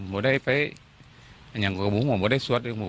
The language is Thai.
ไม่ได้ไปอย่างกับมุมว่าไม่ได้สวด